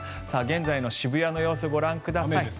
現在の渋谷の様子ご覧ください。